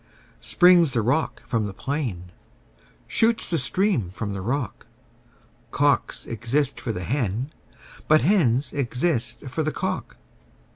Springs the rock from the plain, shoots the stream from the rock: Cocks exist for the hen: but hens exist for the cock.